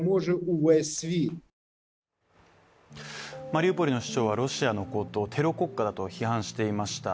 マリウポリの市長はロシアのことをテロ国家だと批判していました。